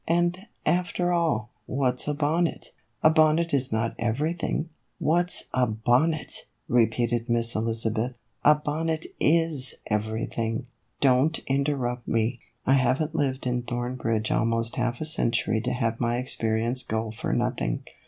"And, after all, what 's a bonnet ? A bonnet is not every thing." " What 's a bonnet !" repeated Miss Elizabeth. " A bonnet is everything. Don't interrupt me. I have n't lived in Thornbridge almost half a century to have my experience go for nothing.